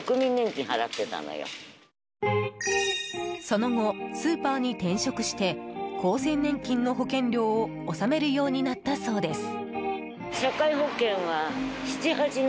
その後、スーパーに転職して厚生年金の保険料を納めるようになったそうです。